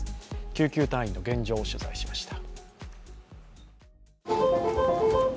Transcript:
救急隊員の現状を取材しました。